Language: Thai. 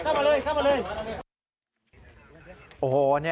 เข้ามาเลยครับเข้ามาเลยเข้ามาเลย